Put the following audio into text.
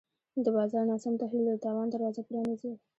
د بازار ناسم تحلیل د تاوان دروازه پرانیزي.